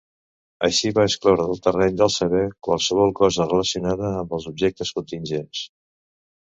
Així va excloure del terreny del saber qualsevol cosa relacionada amb els objectes contingents.